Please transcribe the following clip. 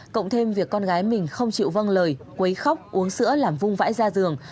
cộng thêm việc con gái mình không chịu văng lời quấy khóc uống sữa làm vung vãi ra giường